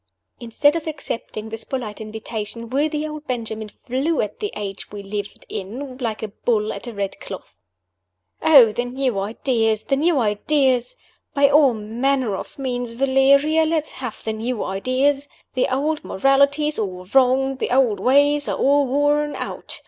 Instead of accepting this polite invitation, worthy old Benjamin flew at the age we lived in like a bull at a red cloth. "Oh, the new ideas! the new ideas! By all manner of means, Valeria, let us have the new ideas! The old morality's all wrong, the old ways are all worn out.